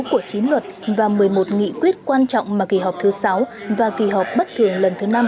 của chín luật và một mươi một nghị quyết quan trọng mà kỳ họp thứ sáu và kỳ họp bất thường lần thứ năm